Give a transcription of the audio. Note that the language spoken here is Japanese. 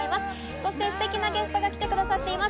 そしてステキなゲストが来てくださっています。